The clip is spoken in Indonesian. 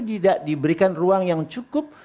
tidak diberikan ruang yang cukup